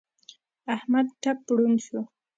احمد ټپ ړوند شو.